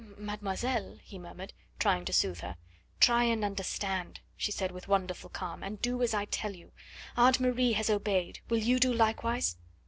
"Mademoiselle " he murmured, trying to soothe her. "Try and understand," she said with wonderful calm, "and do as I tell you. Aunt Marie has obeyed. Will you do likewise?"